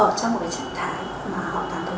ở trong một trạng thái mà họ cảm thấy rất ổn